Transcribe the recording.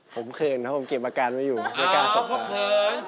ผมเผินนะผมเก็บอาการไว้อยู่ไม่การสบตานะครับอ๋อความเขิน